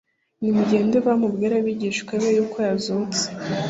Nimugende vuba mubwire abigishwa be yuko yazutse